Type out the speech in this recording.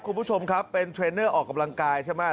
คุณผู้ชมครับเป็นเทรนเนอร์ออกกำลังกายใช่ไหม